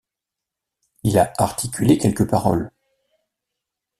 Il a articulé quelques paroles.